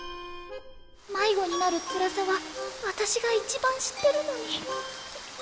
迷子になるつらさは私が一番知ってるのに。